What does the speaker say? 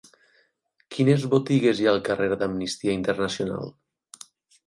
Quines botigues hi ha al carrer d'Amnistia Internacional?